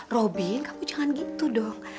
robin kamu jangan gitu dong